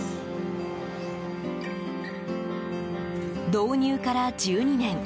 導入から１２年。